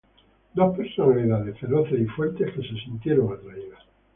Dos personalidades feroces y fuertes que se sintieron atraídas.